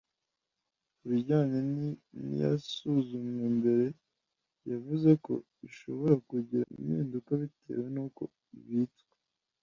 Ku bijyanye n’iyasuzumwe mbere yavuze ko ishobora kugira impinduka bitewe nuko ibitswe